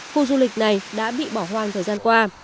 khu du lịch này đã bị bỏ hoang thời gian qua